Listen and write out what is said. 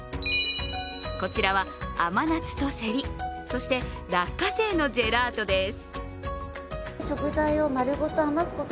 こちらは甘夏とセリ、そして落花生のジェラートです。